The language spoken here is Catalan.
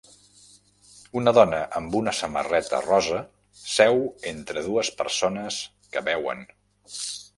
Una dona amb una samarreta rosa seu entre dues persones que beuen.